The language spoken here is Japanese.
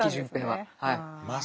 はい。